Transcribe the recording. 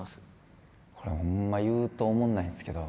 これほんま言うとおもんないんですけど。